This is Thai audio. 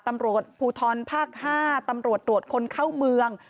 ตำรวจภูทรภาค๕ตำรวจตรวจคนเข้าเมือง